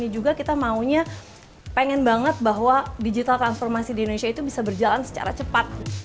juga kita maunya pengen banget bahwa digital transformasi di indonesia itu bisa berjalan secara cepat